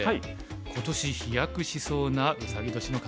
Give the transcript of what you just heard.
今年飛躍しそうなウサギ年の方